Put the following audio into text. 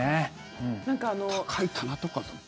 高い棚とか。